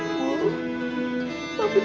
amin farhan ya